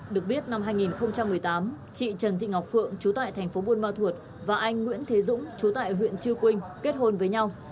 được biết năm hai nghìn một mươi tám chị trần thị ngọc phượng chú tại thành phố buôn ma thuột và anh nguyễn thế dũng chú tại huyện chư quynh kết hôn với nhau